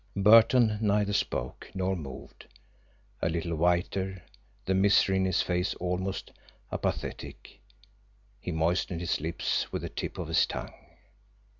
Burton neither spoke nor moved a little whiter, the misery in his face almost apathetic, he moistened his lips with the tip of his tongue.